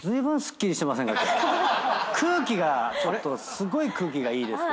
空気がちょっとすごい空気がいいですけど。